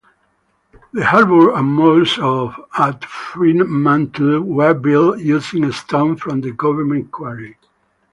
The harbour and moles at Fremantle were built using stone from the Government quarry.